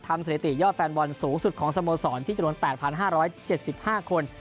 สถิติยอดแฟนบอลสูงสุดของสโมสรที่จำนวน๘๕๗๕คน